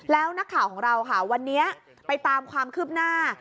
แล้วนักข่าวของเราค่ะวันนี้ไปตามความคืบหน้า